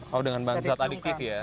oh dengan bahan zat adiktif ya